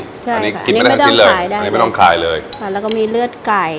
ใช่ค่ะอันนี้ไม่ต้องขายได้อันนี้ไม่ต้องขายเลยค่ะแล้วก็มีเลือดไก่